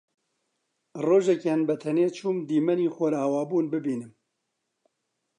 ڕۆژێکیان بەتەنێ چووم دیمەنی خۆرئاوابوون ببینم